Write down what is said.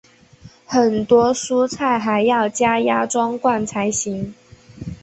很多蔬菜还要加压装罐才行。